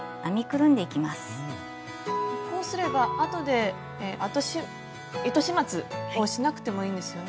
こうすればあとで糸始末をしなくてもいいんですよね。